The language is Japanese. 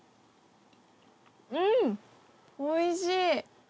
うんおいしい！